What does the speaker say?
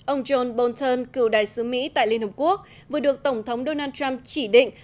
ông john bolton cựu đại sứ mỹ tại liên hợp quốc vừa được tổng thống donald trump chỉ định